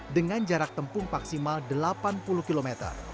dengan jarak tempuh maksimal delapan puluh km